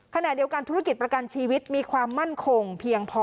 ขณะเดียวกันธุรกิจประกันชีวิตมีความมั่นคงเพียงพอ